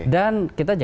dan kita juga